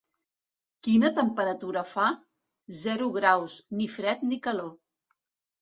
Quina temperatura fa? —Zero graus, ni fred ni calor.